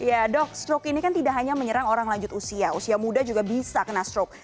ya dok stroke ini kan tidak hanya menyerang orang lanjut usia usia muda juga bisa kena stroke